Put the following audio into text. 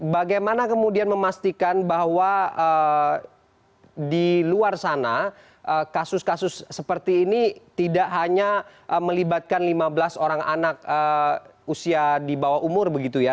bagaimana kemudian memastikan bahwa di luar sana kasus kasus seperti ini tidak hanya melibatkan lima belas orang anak usia di bawah umur begitu ya